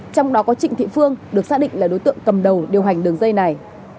trong đó có trịnh thị phương được xác định là đối tượng cầm đầu điều hành đường dây này